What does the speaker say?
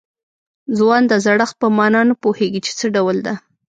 ځوان د زړښت په معنا نه پوهېږي چې څه ډول ده.